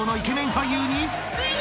俳優に］